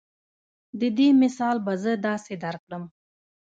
د دې مثال به زۀ داسې درکړم